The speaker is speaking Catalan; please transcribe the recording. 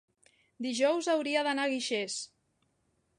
dijous hauria d'anar a Guixers.